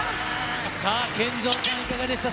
さあ、ＫＥＮＺＯさん、いかがでした？